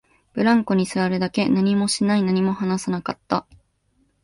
ブランコに座るだけ、何もしない、何も話さなかった